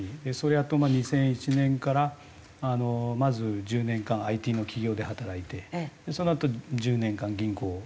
あと２００１年からまず１０年間ＩＴの企業で働いてそのあと１０年間銀行で働いて。